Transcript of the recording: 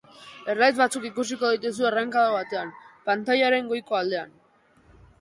Erlaitz batzuk ikusiko dituzu errenkada batean, pantailaren goiko aldean.